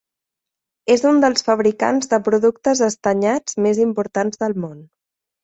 És un dels fabricants de productes estanyats més importants del món.